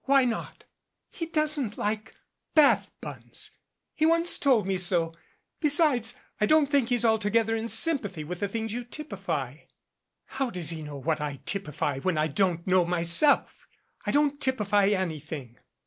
Why not?" "He doesn't like Bath buns. He once told me so. Be sides, I don't think he's altogether in sympathy with the things you typify." "How does he know what I typify when I don't know myself? I don't typify anything."